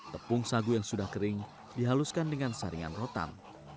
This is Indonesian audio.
tepung sagu yang sudah kering dihaluskan dengan saringan rotan